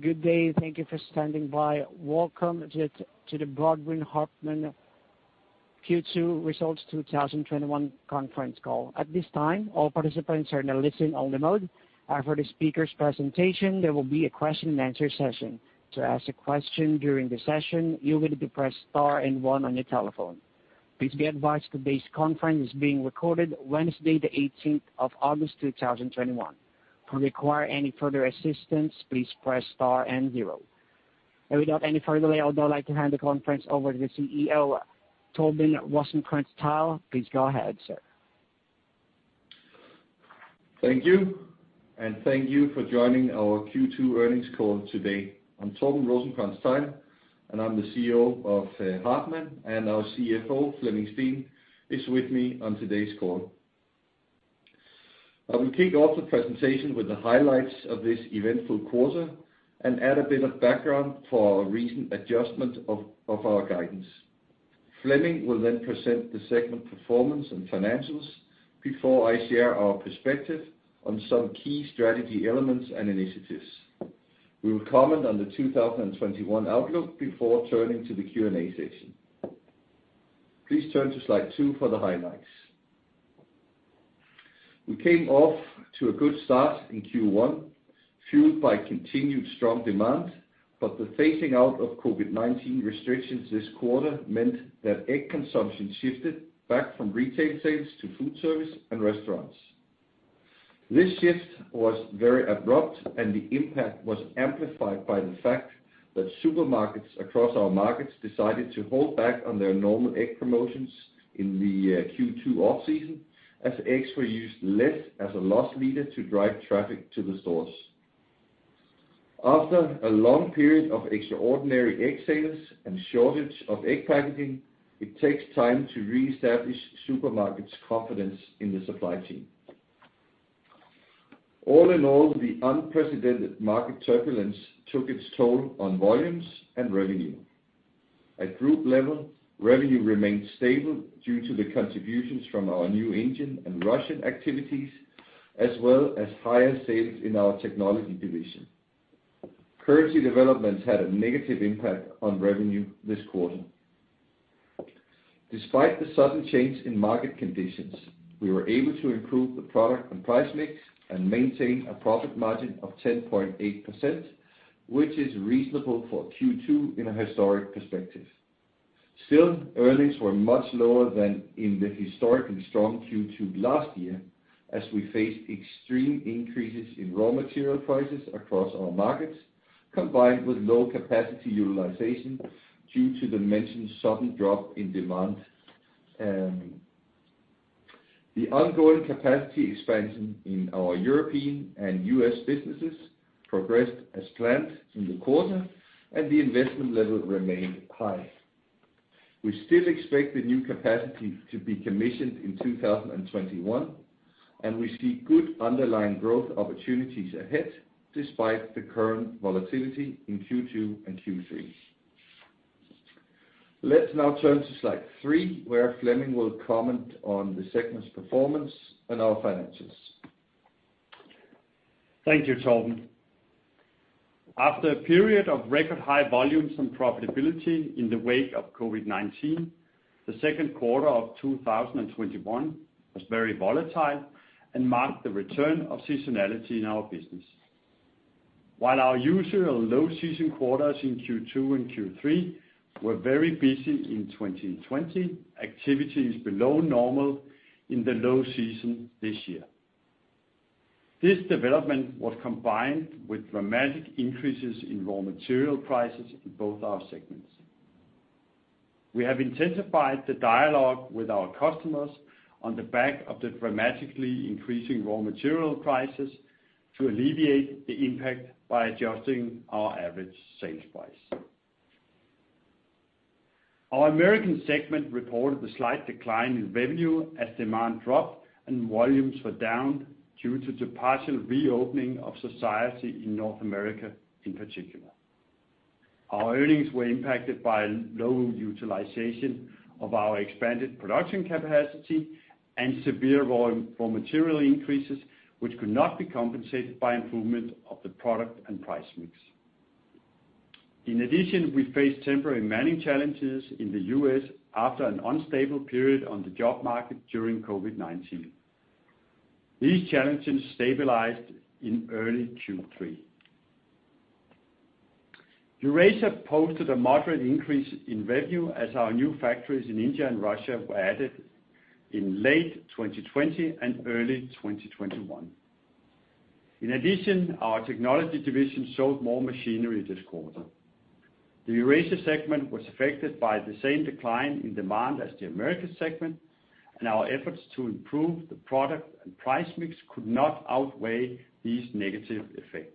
Good day. Thank you for standing by. Welcome to the Brdr. Hartmann Q2 Results 2021 conference call. At this time, all participants are in a listen-only mode. After the speakers' presentation, there will be a question and answer session. Without any further delay, I would now like to hand the conference over to the CEO, Torben Rosenkrantz-Theil. Please go ahead, sir. Thank you, and thank you for joining our Q2 earnings call today. I'm Torben Rosenkrantz-Theil, and I'm the CEO of Hartmann, and our CFO, Flemming Steen, is with me on today's call. I will kick off the presentation with the highlights of this eventful quarter and add a bit of background for our recent adjustment of our guidance. Flemming will present the segment performance and financials before I share our perspective on some key strategy elements and initiatives. We will comment on the 2021 outlook before turning to the Q&A session. Please turn to slide two for the highlights. We came off to a good start in Q1, fueled by continued strong demand, the phasing out of COVID-19 restrictions this quarter meant that egg consumption shifted back from retail sales to food service and restaurants. This shift was very abrupt, and the impact was amplified by the fact that supermarkets across our markets decided to hold back on their normal egg promotions in the Q2 off-season as eggs were used less as a loss leader to drive traffic to the stores. After a long period of extraordinary egg sales and shortage of egg packaging, it takes time to reestablish supermarkets' confidence in the supply chain. All in all, the unprecedented market turbulence took its toll on volumes and revenue. At group level, revenue remained stable due to the contributions from our new Indian and Russian activities, as well as higher sales in our technology division. Currency developments had a negative impact on revenue this quarter. Despite the sudden change in market conditions, we were able to improve the product and price mix and maintain a profit margin of 10.8%, which is reasonable for Q2 in a historic perspective. Still, earnings were much lower than in the historically strong Q2 last year, as we faced extreme increases in raw material prices across our markets, combined with low capacity utilization due to the mentioned sudden drop in demand. The ongoing capacity expansion in our European and U.S. businesses progressed as planned in the quarter, and the investment level remained high. We still expect the new capacity to be commissioned in 2021, and we see good underlying growth opportunities ahead despite the current volatility in Q2 and Q3. Let's now turn to slide three, where Flemming will comment on the segment's performance and our finances. Thank you, Torben. After a period of record high volumes and profitability in the wake of COVID-19, the second quarter of 2021 was very volatile and marked the return of seasonality in our business. While our usual low season quarters in Q2 and Q3 were very busy in 2020, activity is below normal in the low season this year. This development was combined with dramatic increases in raw material prices in both our segments. We have intensified the dialogue with our customers on the back of the dramatically increasing raw material prices to alleviate the impact by adjusting our average sales price. Our American segment reported a slight decline in revenue as demand dropped and volumes were down due to the partial reopening of society in North America in particular. Our earnings were impacted by low utilization of our expanded production capacity and severe raw material increases, which could not be compensated by improvement of the product and price mix. In addition, we faced temporary manning challenges in the U.S. after an unstable period on the job market during COVID-19. These challenges stabilized in early Q3. Eurasia posted a moderate increase in revenue as our new factories in India and Russia were added in late 2020 and early 2021. In addition, our technology division sold more machinery this quarter. The Eurasia segment was affected by the same decline in demand as the Americas segment, and our efforts to improve the product and price mix could not outweigh these negative effects.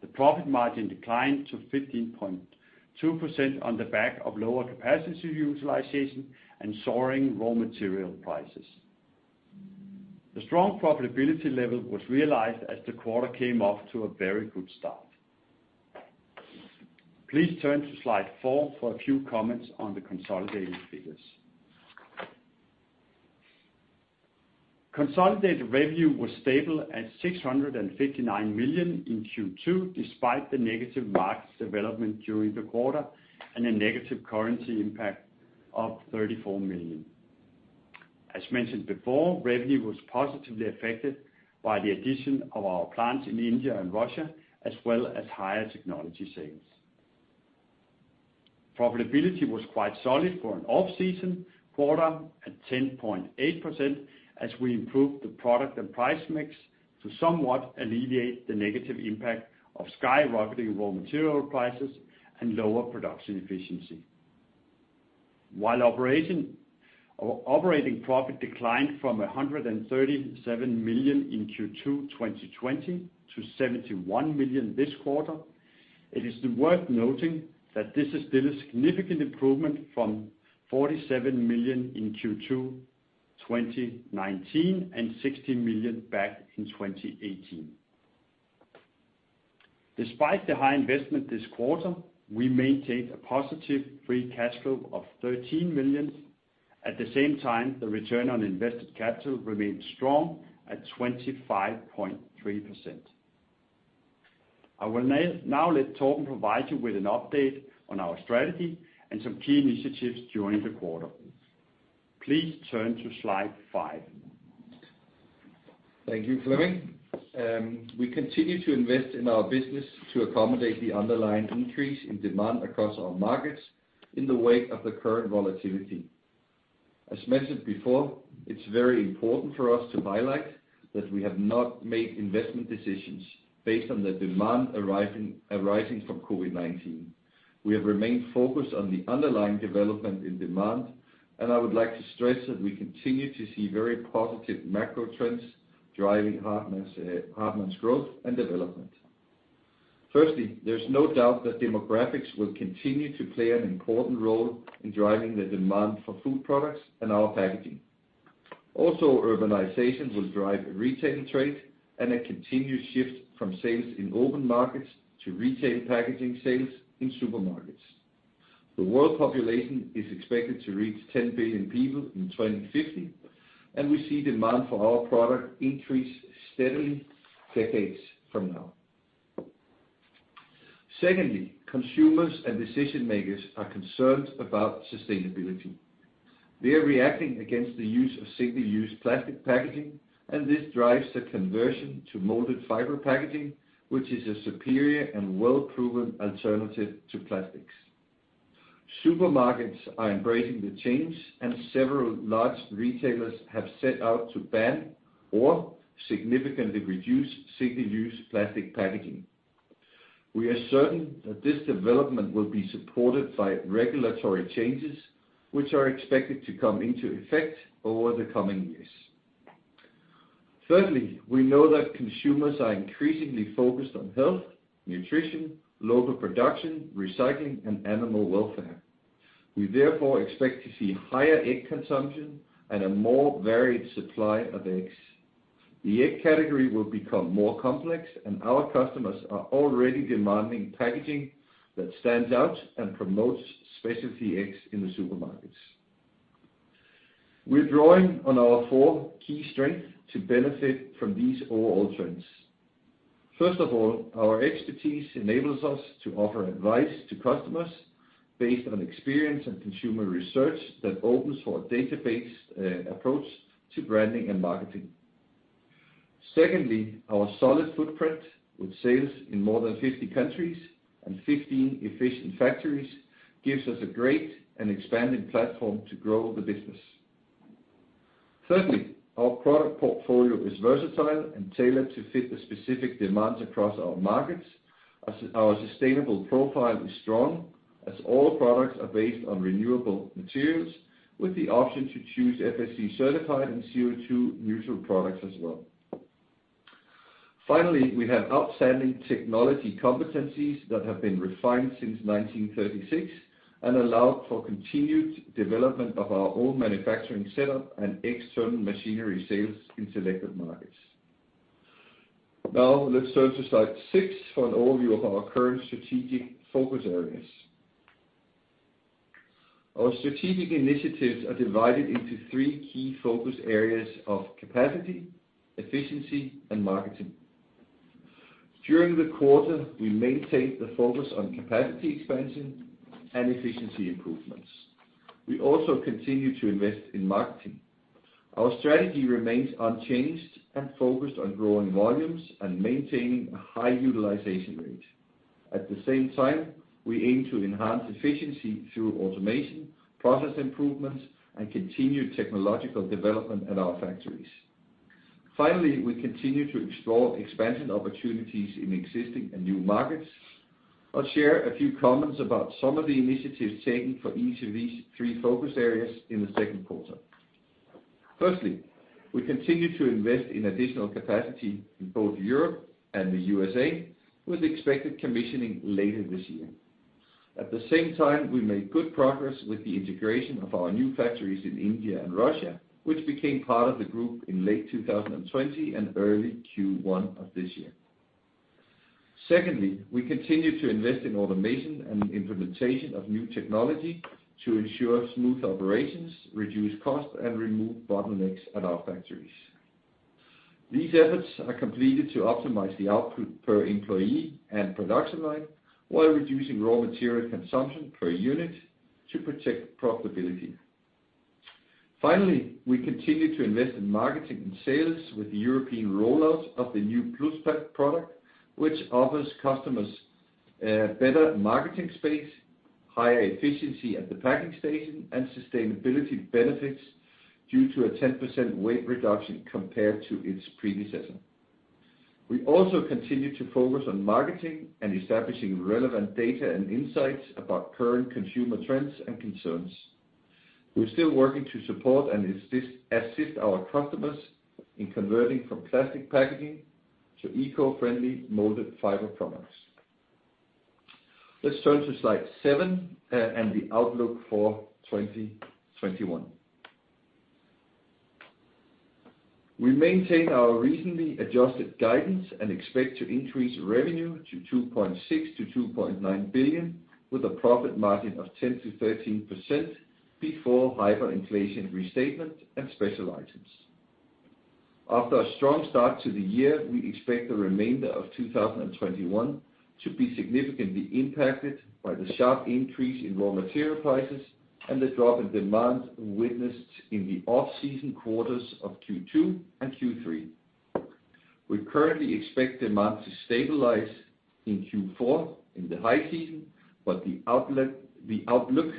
The profit margin declined to 15.2% on the back of lower capacity utilization and soaring raw material prices. The strong profitability level was realized as the quarter came off to a very good start. Please turn to slide four for a few comments on the consolidated figures. Consolidated revenue was stable at 659 million in Q2, despite the negative markets development during the quarter and a negative currency impact of 34 million. As mentioned before, revenue was positively affected by the addition of our plants in India and Russia, as well as higher technology sales. Profitability was quite solid for an off-season quarter at 10.8% as we improved the product and price mix to somewhat alleviate the negative impact of skyrocketing raw material prices and lower production efficiency. While operating profit declined from 137 million in Q2 2020 to 71 million this quarter, it is worth noting that this is still a significant improvement from 47 million in Q2 2019 and 16 million back in 2018. Despite the high investment this quarter, we maintained a positive free cash flow of 13 million. At the same time, the return on invested capital remained strong at 25.3%. I will now let Torben provide you with an update on our strategy and some key initiatives during the quarter. Please turn to slide five. Thank you, Flemming. We continue to invest in our business to accommodate the underlying increase in demand across our markets in the wake of the current volatility. As mentioned before, it's very important for us to highlight that we have not made investment decisions based on the demand arising from COVID-19. We have remained focused on the underlying development in demand, and I would like to stress that we continue to see very positive macro trends driving Hartmann's growth and development. Firstly, there's no doubt that demographics will continue to play an important role in driving the demand for food products and our packaging. Also, urbanization will drive retail trade and a continued shift from sales in open markets to retail packaging sales in supermarkets. The world population is expected to reach 10 billion people in 2050, and we see demand for our product increase steadily decades from now. Secondly, consumers and decision-makers are concerned about sustainability. They are reacting against the use of single-use plastic packaging. This drives the conversion to moulded-fibre packaging, which is a superior and well-proven alternative to plastics. Supermarkets are embracing the change. Several large retailers have set out to ban or significantly reduce single-use plastic packaging. We are certain that this development will be supported by regulatory changes, which are expected to come into effect over the coming years. Thirdly, we know that consumers are increasingly focused on health, nutrition, local production, recycling, and animal welfare. We therefore expect to see higher egg consumption and a more varied supply of eggs. The egg category will become more complex. Our customers are already demanding packaging that stands out and promotes specialty eggs in the supermarkets. We're drawing on our four key strengths to benefit from these overall trends. First of all, our expertise enables us to offer advice to customers based on experience and consumer research that opens for a data-based approach to branding and marketing. Secondly, our solid footprint with sales in more than 50 countries and 15 efficient factories gives us a great and expanding platform to grow the business. Thirdly, our product portfolio is versatile and tailored to fit the specific demands across our markets as our sustainable profile is strong, as all products are based on renewable materials with the option to choose FSC certified and CO2 neutral products as well. Finally, we have outstanding technology competencies that have been refined since 1936 and allow for continued development of our own manufacturing setup and external machinery sales in selected markets. Now let's turn to slide six for an overview of our current strategic focus areas. Our strategic initiatives are divided into three key focus areas of capacity, efficiency, and marketing. During the quarter, we maintained the focus on capacity expansion and efficiency improvements. We also continue to invest in marketing. Our strategy remains unchanged and focused on growing volumes and maintaining a high utilization rate. At the same time, we aim to enhance efficiency through automation, process improvements, and continued technological development at our factories. Finally, we continue to explore expansion opportunities in existing and new markets. I'll share a few comments about some of the initiatives taken for each of these three focus areas in the second quarter. Firstly, we continue to invest in additional capacity in both Europe and the USA. with expected commissioning later this year. At the same time, we made good progress with the integration of our new factories in India and Russia, which became part of the group in late 2020 and early Q1 of this year. Secondly, we continue to invest in automation and implementation of new technology to ensure smooth operations, reduce costs, and remove bottlenecks at our factories. These efforts are completed to optimize the output per employee and production line while reducing raw material consumption per unit to protect profitability. Finally, we continue to invest in marketing and sales with the European rollout of the new Plus Pack product, which offers customers better marketing space, higher efficiency at the packing station, and sustainability benefits due to a 10% weight reduction compared to its predecessor. We also continue to focus on marketing and establishing relevant data and insights about current consumer trends and concerns. We're still working to support and assist our customers in converting from plastic packaging to eco-friendly moulded-fibre products. Let's turn to slide seven and the outlook for 2021. We maintain our recently adjusted guidance and expect to increase revenue to 2.6 billion-2.9 billion with a profit margin of 10%-13% before hyperinflation restatement and special items. After a strong start to the year, we expect the remainder of 2021 to be significantly impacted by the sharp increase in raw material prices and the drop in demand witnessed in the off-season quarters of Q2 and Q3. We currently expect demand to stabilize in Q4 in the high season, but the outlook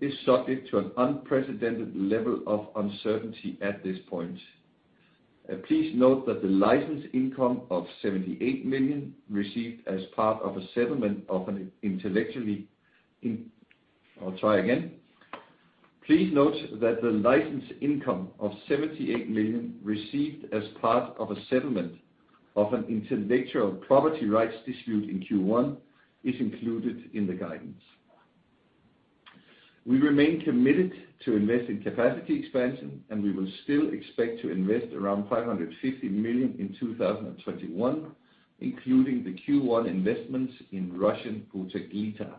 is subject to an unprecedented level of uncertainty at this point. Please note that the license income of 78 million received as part of a settlement of an intellectually, I'll try again, please note that the license income of 78 million received as part of settlement of an intellectual property rights dispute in Q1 is included in the guidance. We remain committed to invest in capacity expansion, and we will still expect to invest around 550 million in 2021, including the Q1 investments in Russian protective gear.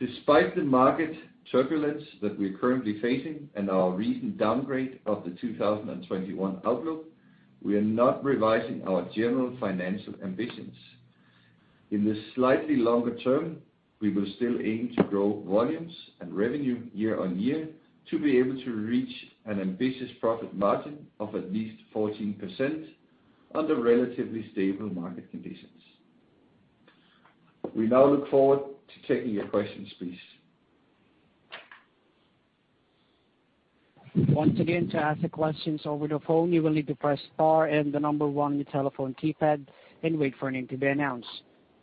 Despite the market turbulence that we're currently facing and our recent downgrade of the 2021 outlook, we are not revising our general financial ambitions. In the slightly longer term, we will still aim to grow volumes and revenue year-on-year to be able to reach an ambitious profit margin of at least 14% under relatively stable market conditions. We now look forward to taking your questions, please.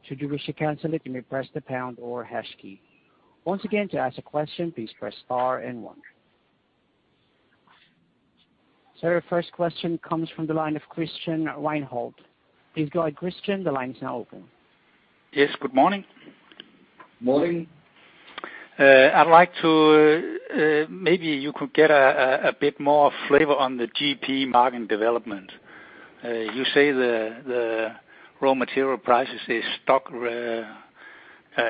Sir, your first question comes from the line of Christian Reinhold. Please go ahead, Christian. The line is now open. Yes, good morning. Morning. Maybe you could get a bit more flavor on the GP margin development. You say the raw material prices stock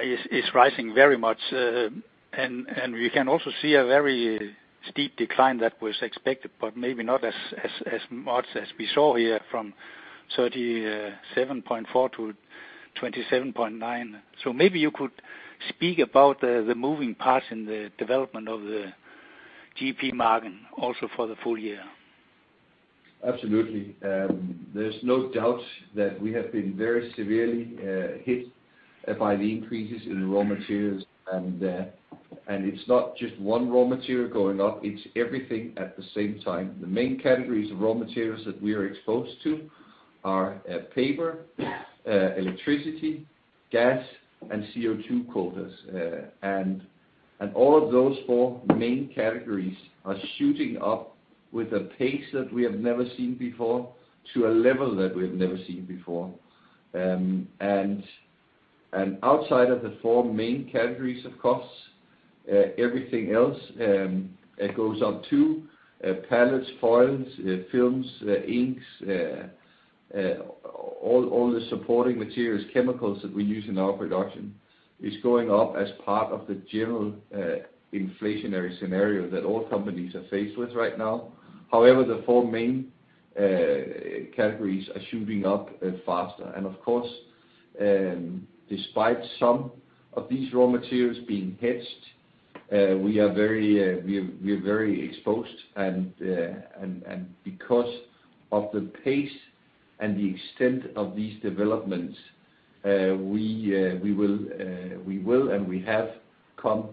is rising very much. We can also see a very steep decline that was expected, but maybe not as much as we saw here from 37.4%-27.9%. Maybe you could speak about the moving parts in the development of the GP margin also for the full year. Absolutely. There's no doubt that we have been very severely hit by the increases in raw materials, and it's not just one raw material going up, it's everything at the same time. The main categories of raw materials that we are exposed to are paper, electricity, gas, and CO2 quotas. All of those four main categories are shooting up with a pace that we have never seen before, to a level that we've never seen before. Outside of the four main categories, of course, everything else goes up, too. Pallets, foils, films, inks, all the supporting materials, chemicals that we use in our production is going up as part of the general inflationary scenario that all companies are faced with right now. However, the four main categories are shooting up faster. Of course, despite some of these raw materials being hedged, we are very exposed. Because of the pace and the extent of these developments, we will and we have come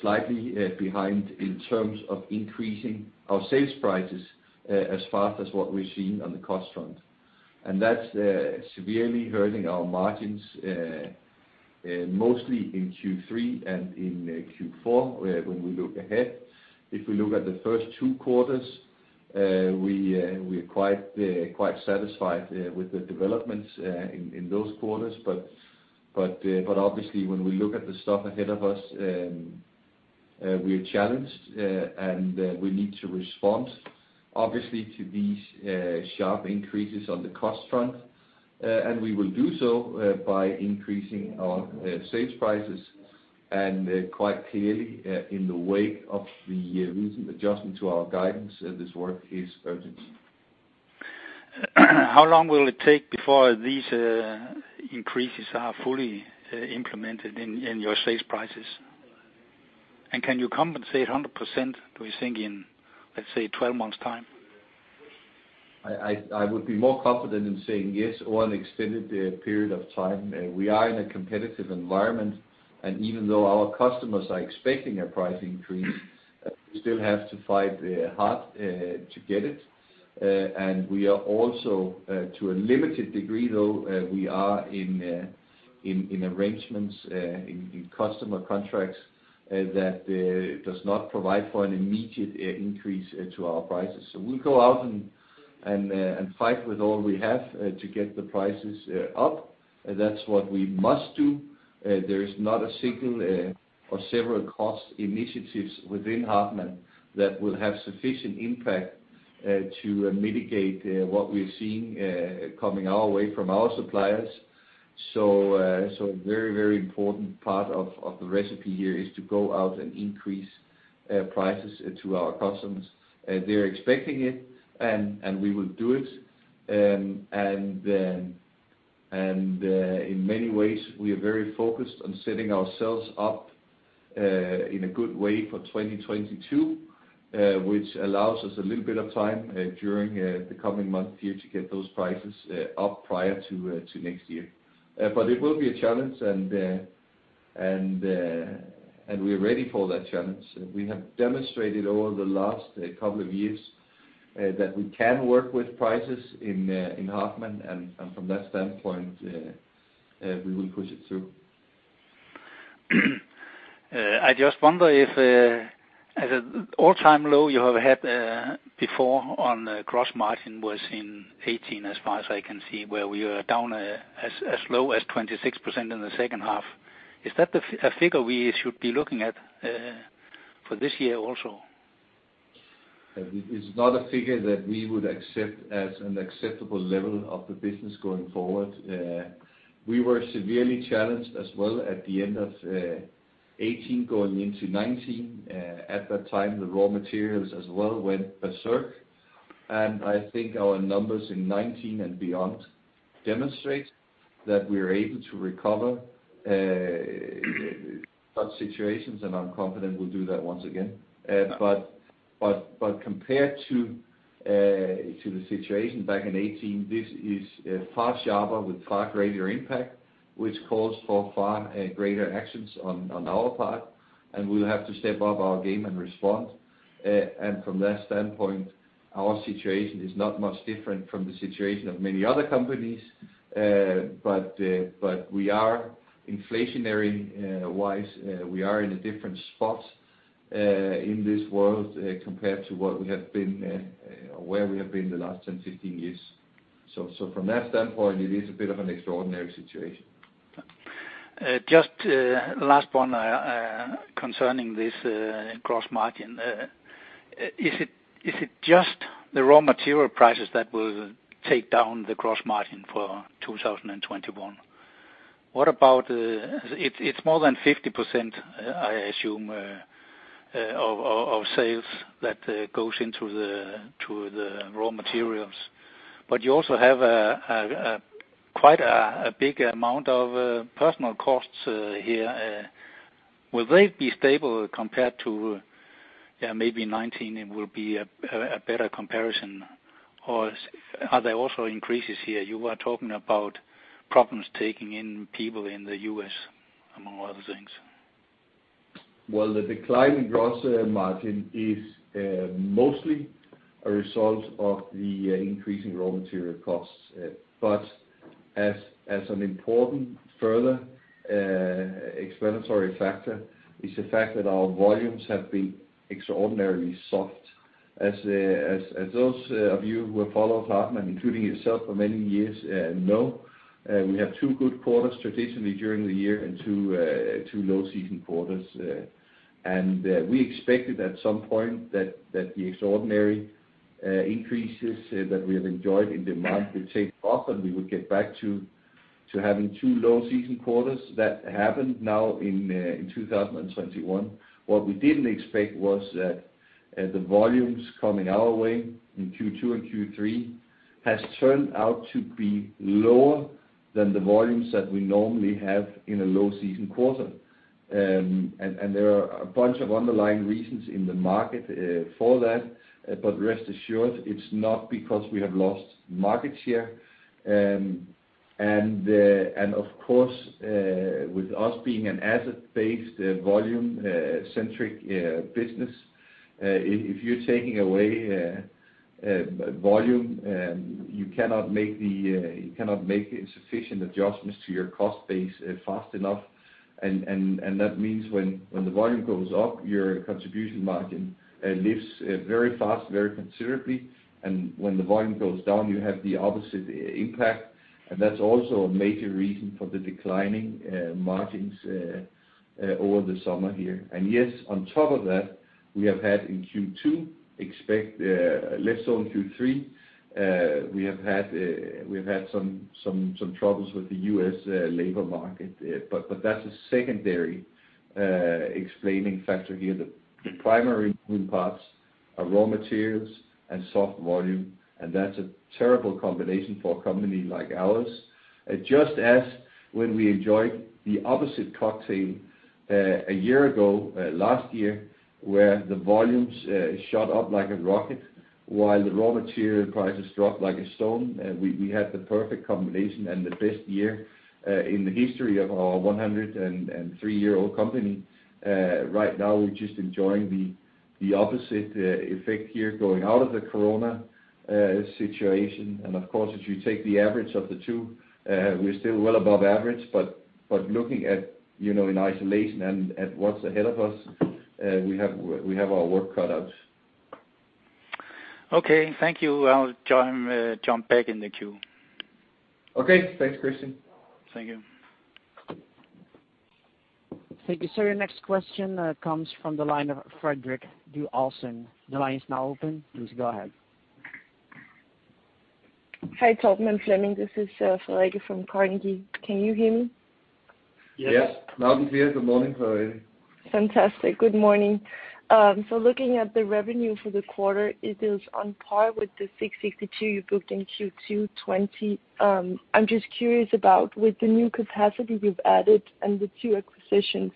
slightly behind in terms of increasing our sales prices as fast as what we're seeing on the cost front. That's severely hurting our margins, mostly in Q3 and in Q4 when we look ahead. If we look at the first two quarters, we're quite satisfied with the developments in those quarters. Obviously, when we look at the stuff ahead of us, we are challenged, and we need to respond, obviously, to these sharp increases on the cost front. We will do so by increasing our sales prices and quite clearly in the wake of the recent adjustment to our guidance, this work is urgent. How long will it take before these increases are fully implemented in your sales prices? Can you compensate 100%, do you think in, let's say, 12 months time? I would be more confident in saying yes over an extended period of time. We are in a competitive environment, and even though our customers are expecting a price increase, we still have to fight hard to get it. We are also to a limited degree, though, we are in arrangements in customer contracts that does not provide for an immediate increase to our prices. We'll go out and fight with all we have to get the prices up. That's what we must do. There is not a single or several cost initiatives within Hartmann that will have sufficient impact to mitigate what we're seeing coming our way from our suppliers. Very important part of the recipe here is to go out and increase prices to our customers. They're expecting it, and we will do it. In many ways, we are very focused on setting ourselves up in a good way for 2022, which allows us a little bit of time during the coming months here to get those prices up prior to next year. It will be a challenge and we are ready for that challenge. We have demonstrated over the last couple of years that we can work with prices in Hartmann, and from that standpoint, we will push it through. I just wonder if as an all-time low you have had before on gross margin was in 2018, as far as I can see, where we are down as low as 26% in the second half. Is that a figure we should be looking at for this year also? It's not a figure that we would accept as an acceptable level of the business going forward. We were severely challenged as well at the end of 2018, going into 2019. At that time, the raw materials as well went berserk, and I think our numbers in 2019 and beyond demonstrate that we are able to recover such situations, and I'm confident we'll do that once again. Compared to the situation back in 2018, this is far sharper with far greater impact, which calls for far greater actions on our part, and we'll have to step up our game and respond. From that standpoint, our situation is not much different from the situation of many other companies. We are inflationary wise, we are in a different spot in this world compared to what we have been or where we have been the last 10, 15 years. From that standpoint, it is a bit of an extraordinary situation. Just last one concerning this gross margin. Is it just the raw material prices that will take down the gross margin for 2021? It's more than 50%, I assume, of sales that goes into the raw materials. You also have quite a big amount of personnel costs here. Will they be stable compared to maybe 2019? It will be a better comparison. Are there also increases here? You were talking about problems taking in people in the U.S. among other things. Well, the decline in gross margin is mostly a result of the increasing raw material costs. As an important further explanatory factor is the fact that our volumes have been extraordinarily soft. As those of you who have followed Hartmann, including yourself for many years know, we have two good quarters traditionally during the year and two low season quarters. We expected at some point that the extraordinary increases that we have enjoyed in demand will take off and we would get back to having two low season quarters. That happened now in 2021. What we didn't expect was that the volumes coming our way in Q2 and Q3 has turned out to be lower than the volumes that we normally have in a low season quarter. There are a bunch of underlying reasons in the market for that. Rest assured, it's not because we have lost market share. Of course, with us being an asset-based volume centric business, if you're taking away volume, you cannot make sufficient adjustments to your cost base fast enough. That means when the volume goes up, your contribution margin lifts very fast, very considerably, and when the volume goes down, you have the opposite impact. That's also a major reason for the declining margins over the summer here. Yes, on top of that, we have had some troubles with the U.S. labor market in Q2, expect less so in Q3. That's a secondary explaining factor here. The primary moving parts are raw materials and soft volume, and that's a terrible combination for a company like ours. Just as when we enjoyed the opposite cocktail a year ago, last year, where the volumes shot up like a rocket while the raw material prices dropped like a stone. We had the perfect combination and the best year in the history of our 103-year-old company. Right now, we're just enjoying the opposite effect here going out of the corona situation. Of course, if you take the average of the two, we're still well above average, but looking at in isolation and at what's ahead of us, we have our work cut out. Okay. Thank you. I'll jump back in the queue. Okay. Thanks, Christian. Thank you. Thank you. Your next question comes from the line of Frederikke Due Olsen. The line is now open. Please go ahead. Hi, Torben and Flemming. This is Frederikke from Carnegie. Can you hear me? Yes. Yes. Loud and clear. Good morning, Frederikke. Fantastic. Good morning. Looking at the revenue for the quarter, it is on par with the 662 million you booked in Q2 2020. I'm just curious about with the new capacity you've added and the two acquisitions,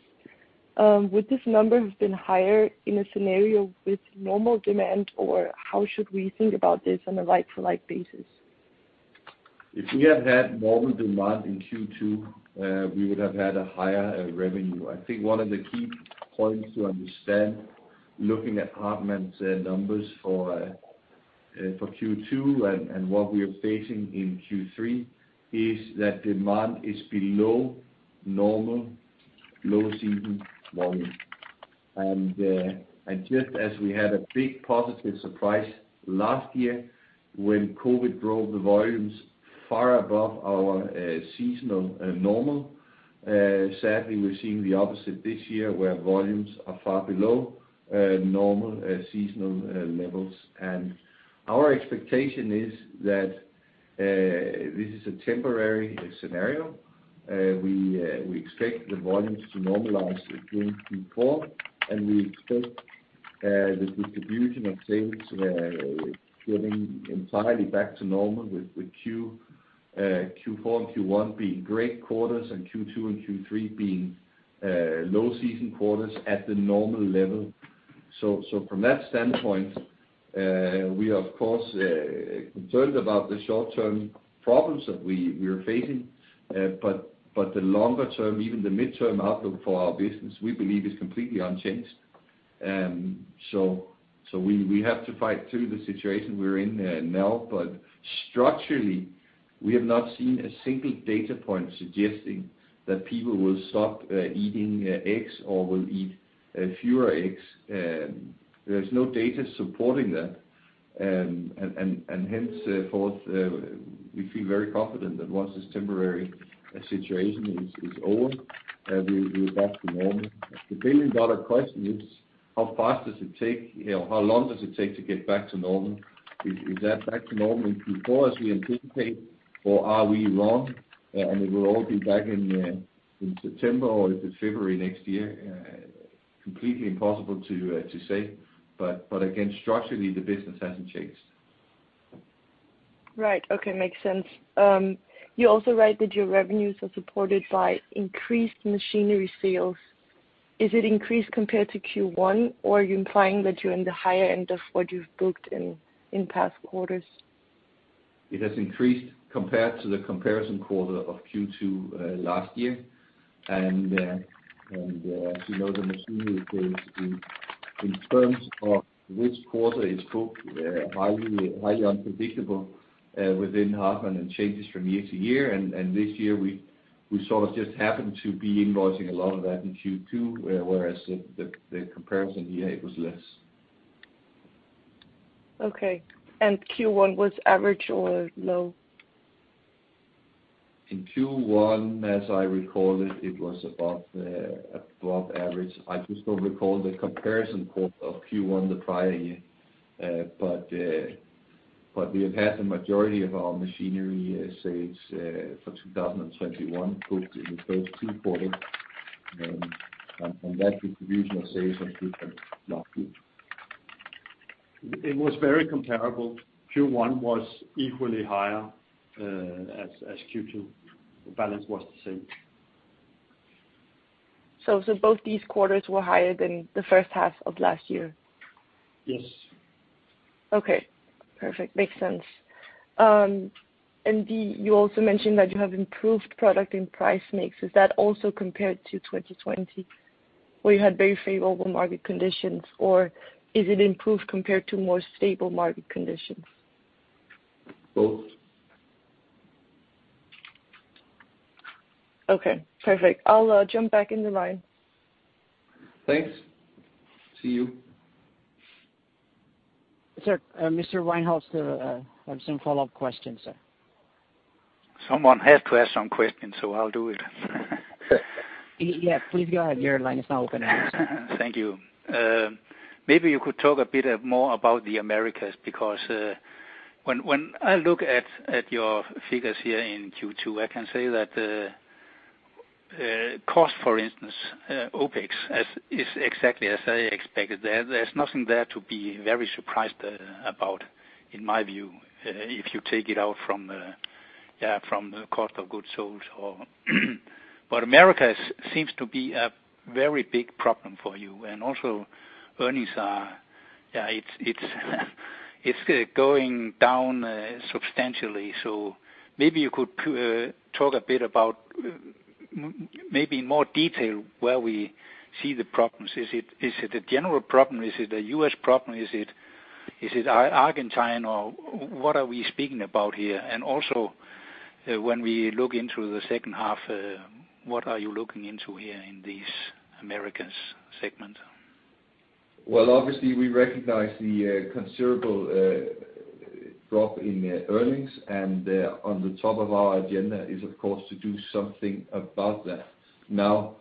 would this number have been higher in a scenario with normal demand, or how should we think about this on a like-to-like basis? If we had had normal demand in Q2, we would have had a higher revenue. I think one of the key points to understand, looking at Hartmann's numbers for Q2 and what we are facing in Q3, is that demand is below normal low season volume. Just as we had a big positive surprise last year when COVID drove the volumes far above our seasonal normal, sadly, we're seeing the opposite this year, where volumes are far below normal seasonal levels. Our expectation is that this is a temporary scenario. We expect the volumes to normalize during Q4, and we expect the distribution of sales getting entirely back to normal with Q4 and Q1 being great quarters and Q2 and Q3 being low season quarters at the normal level. From that standpoint, we are of course concerned about the short-term problems that we are facing. The longer term, even the midterm outlook for our business, we believe is completely unchanged. We have to fight through the situation we're in now, but structurally, we have not seen a single data point suggesting that people will stop eating eggs or will eat fewer eggs. There's no data supporting that. Henceforth, we feel very confident that once this temporary situation is over, we're back to normal. The billion-dollar question is how long does it take to get back to normal? Is that back to normal in Q4 as we anticipate, or are we wrong, and we will all be back in September or is it February next year? Completely impossible to say. Again, structurally, the business hasn't changed. Right. Okay. Makes sense. You also write that your revenues are supported by increased machinery sales. Is it increased compared to Q1, or are you implying that you're in the higher end of what you've booked in past quarters? It has increased compared to the comparison quarter of Q2 last year. As you know, the machinery sales in terms of which quarter is booked, highly unpredictable within Hartmann and changes from year to year. This year, we sort of just happened to be invoicing a lot of that in Q2, whereas the comparison year, it was less. Okay. Q1 was average or low? In Q1, as I recall it was above average. I just don't recall the comparison quarter of Q1 the prior year. We have had the majority of our machinery sales for 2021 booked in the first two quarters, and that distribution of sales has not changed. It was very comparable. Q1 was equally higher as Q2. The balance was the same. Both these quarters were higher than the first half of last year? Yes. Okay. Perfect. Makes sense. You also mentioned that you have improved product in price mix. Is that also compared to 2020 where you had very favorable market conditions, or is it improved compared to more stable market conditions? Both. Okay. Perfect. I'll jump back in the line. Thanks. See you Sir, Mr. Weinholtz has some follow-up questions, sir. Someone has to ask some questions, so I'll do it. Yeah, please go ahead, your line is now open. Thank you. Maybe you could talk a bit more about Americas, because when I look at your figures here in Q2, I can say that cost, for instance, OPEX, is exactly as I expected. There's nothing there to be very surprised about, in my view, if you take it out from the cost of goods sold. Americas seems to be a very big problem for you and also earnings are going down substantially. Maybe you could talk a bit about maybe in more detail where we see the problems. Is it a general problem? Is it a U.S. problem? Is it Argentina? What are we speaking about here? Also, when we look into the second half, what are you looking into here in this Americas segment? Well, obviously, we recognize the considerable drop in earnings. On the top of our agenda is, of course, to do something about that. Now,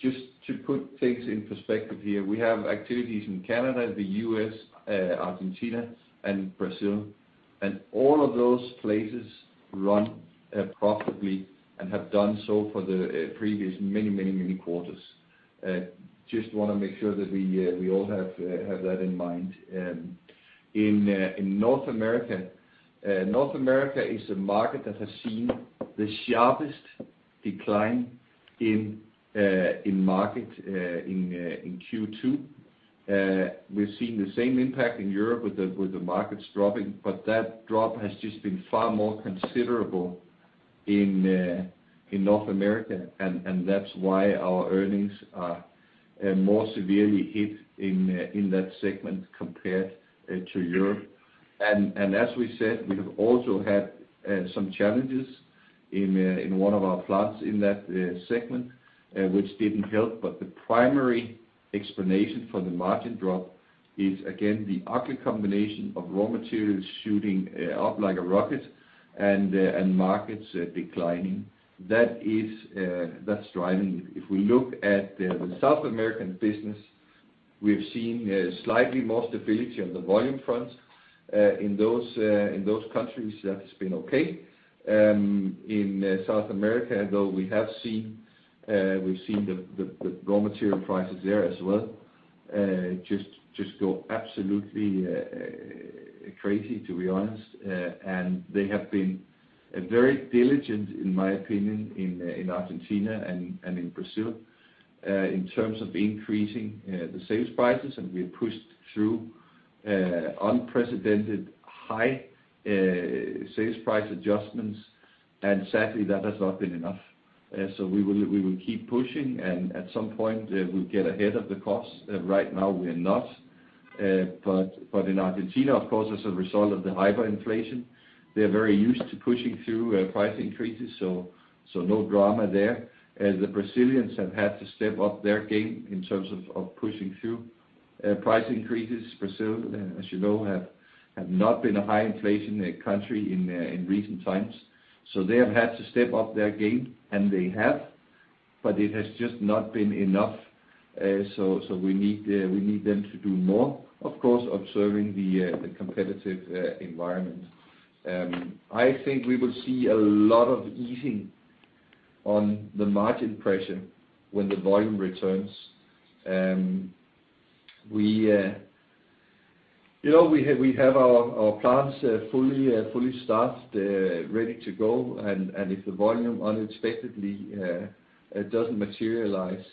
just to put things in perspective here, we have activities in Canada, the U.S., Argentina, and Brazil. All of those places run profitably and have done so for the previous many quarters. Just want to make sure that we all have that in mind. In North America, North America is a market that has seen the sharpest decline in market in Q2. We've seen the same impact in Europe with the markets dropping. That drop has just been far more considerable in North America, and that's why our earnings are more severely hit in that segment compared to Europe. As we said, we have also had some challenges in one of our plants in that segment, which didn't help. The primary explanation for the margin drop is, again, the ugly combination of raw materials shooting up like a rocket and markets declining. That's driving it. If we look at the South American business, we've seen slightly more stability on the volume front. In those countries, that has been okay. In South America, though, we have seen the raw material prices there as well just go absolutely crazy, to be honest. They have been very diligent, in my opinion, in Argentina and in Brazil, in terms of increasing the sales prices, and we have pushed through unprecedented high sales price adjustments, and sadly, that has not been enough. We will keep pushing, and at some point, we'll get ahead of the costs. Right now, we're not. In Argentina, of course, as a result of the hyperinflation, they're very used to pushing through price increases, so no drama there. The Brazilians have had to step up their game in terms of pushing through price increases. Brazil, as you know, have not been a high inflation country in recent times. They have had to step up their game, and they have, but it has just not been enough. We need them to do more, of course, observing the competitive environment. I think we will see a lot of easing on the margin pressure when the volume returns. We have our plants fully staffed, ready to go, and if the volume unexpectedly doesn't materialize,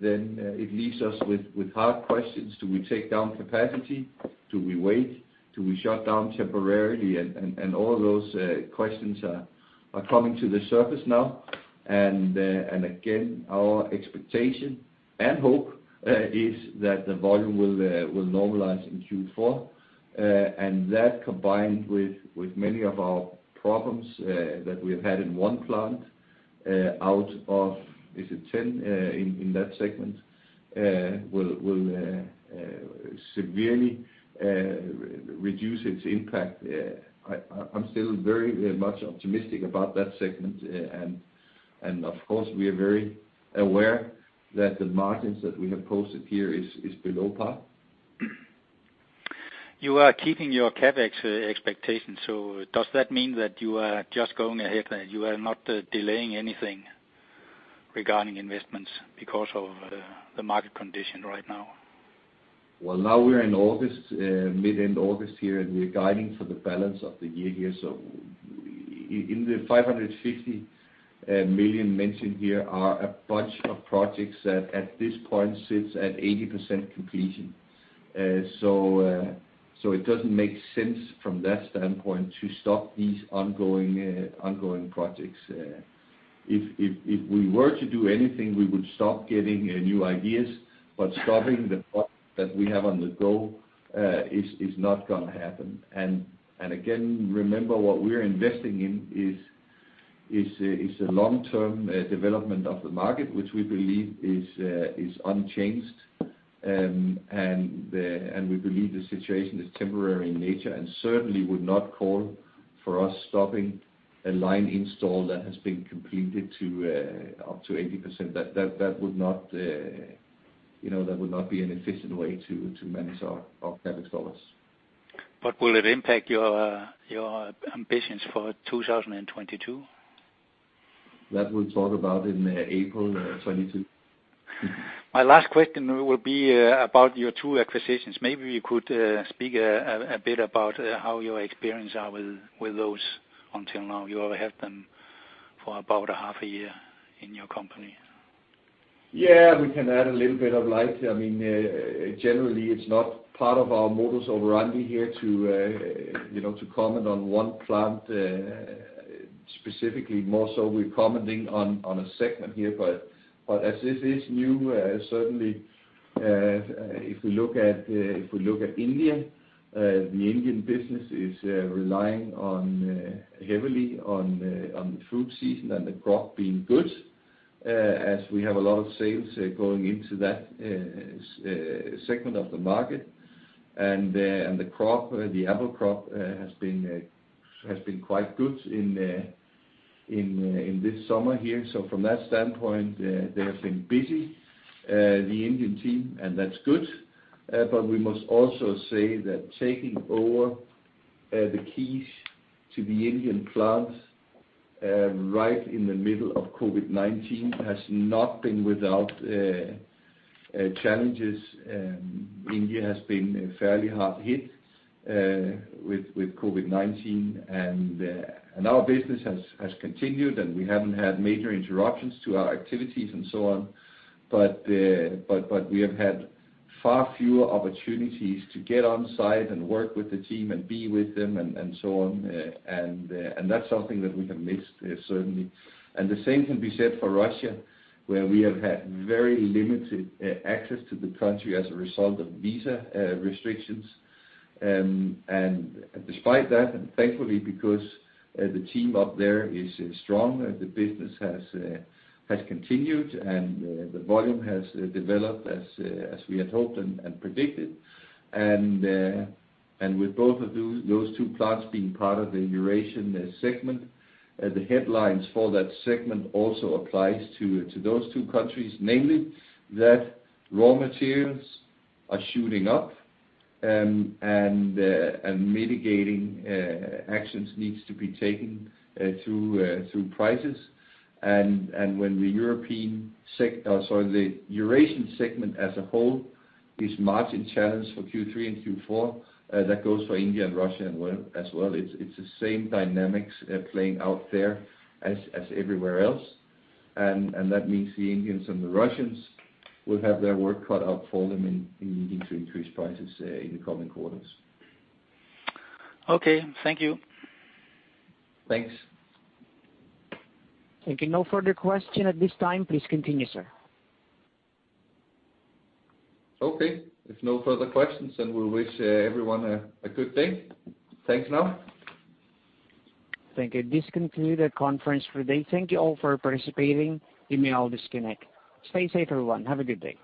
then it leaves us with hard questions. Do we take down capacity? Do we wait? Do we shut down temporarily? All those questions are coming to the surface now. Again, our expectation and hope is that the volume will normalize in Q4. That combined with many of our problems that we've had in one plant out of, is it 10 in that segment, will severely reduce its impact. I'm still very much optimistic about that segment. Of course, we are very aware that the margins that we have posted here is below par. You are keeping your CapEx expectations, does that mean that you are just going ahead and you are not delaying anything regarding investments because of the market condition right now? Well, now we're in August, mid-end August here. We're guiding for the balance of the year here. In the 550 million mentioned here are a bunch of projects that at this point sits at 80% completion. It doesn't make sense from that standpoint to stop these ongoing projects. If we were to do anything, we would stop getting new ideas, stopping the projects that we have on the go is not going to happen. Again, remember what we're investing in is a long-term development of the market, which we believe is unchanged. We believe the situation is temporary in nature and certainly would not call for us stopping a line install that has been completed up to 80%. That would not be an efficient way to manage our capital. Will it impact your ambitions for 2022? That we'll talk about in April 2022. My last question will be about your two acquisitions. Maybe you could speak a bit about how your experience are with those until now. You have had them for about a half a year in your company. Yeah, we can add a little bit of light. Generally, it's not part of our modus operandi here to comment on one plant, specifically more so we're commenting on a segment here. As this is new, certainly if we look at India, the Indian business is relying heavily on the fruit season and the crop being good, as we have a lot of sales going into that segment of the market. The apple crop has been quite good in this summer here. From that standpoint, they have been busy, the Indian team, and that's good. We must also say that taking over the keys to the Indian plant right in the middle of COVID-19 has not been without challenges. India has been fairly hard hit with COVID-19 and our business has continued, and we haven't had major interruptions to our activities and so on. We have had far fewer opportunities to get on-site and work with the team and be with them and so on. That's something that we have missed, certainly. The same can be said for Russia, where we have had very limited access to the country as a result of visa restrictions. Despite that, and thankfully because the team up there is strong, the business has continued, and the volume has developed as we had hoped and predicted. With both of those two plants being part of the Eurasia segment, the headlines for that segment also applies to those two countries, namely that raw materials are shooting up, and mitigating actions needs to be taken through prices. When the Eurasia segment as a whole is margin challenged for Q3 and Q4, that goes for India and Russia as well. It's the same dynamics playing out there as everywhere else. That means the Indians and the Russians will have their work cut out for them in needing to increase prices in the coming quarters. Okay. Thank you. Thanks. Thank you. No further question at this time. Please continue, sir. Okay. If no further questions, we'll wish everyone a good day. Thanks now. Thank you. This concludes the conference for today. Thank you all for participating. You may all disconnect. Stay safe, everyone. Have a good day.